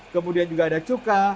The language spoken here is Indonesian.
kemudian juga ada cuka